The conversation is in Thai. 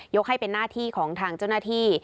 ให้เป็นหน้าที่ของทางเจ้าหน้าที่